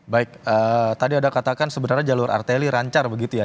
baik tadi ada katakan sebenarnya jalur arteli rancar begitu ya